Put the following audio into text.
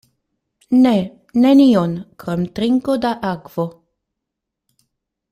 Ne, nenion, krom trinko da akvo.